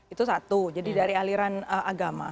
itu satu jadi dari aliran agama